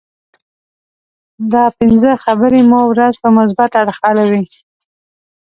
دا پنځه خبرې مو ورځ په مثبت اړخ اړوي.